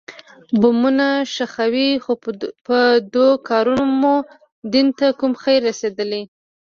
بمونه ښخوئ خو په دو کارونو مو دين ته کوم خير رسېدلى.